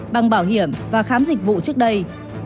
bằng bảo hiểm và khám dịch vụ trước đây